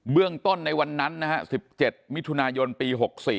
เรื่องต้นในวันนั้นนะฮะ๑๗มิถุนายนปี๖๔